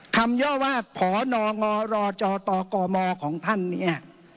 คำย่อวาดผอนองอรอจอตอกอมอของท่านเนี่ย